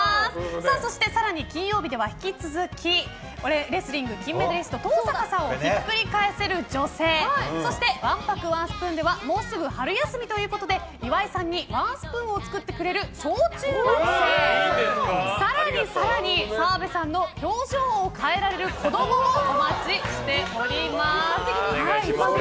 そして更に金曜日では引き続きレスリング金メダリスト登坂さんをひっくりかえせる女性そしてわんぱくワンスプーンではまもなく春休みということで岩井さんにワンスプーンを作ってくれる小中学生更に更に、澤部さんの表情を変えられる子供もお待ちしております。